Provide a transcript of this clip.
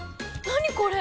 何これ？